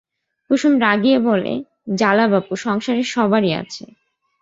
কুসুম রাগিয়া বলে, জ্বালা বাপু সংসারে সবারই আছে।